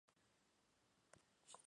El cesto simboliza la "vanitas".